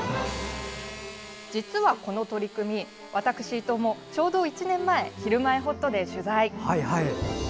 実は、この取り組み私、伊藤もちょうど１年前「ひるまえほっと」で取材。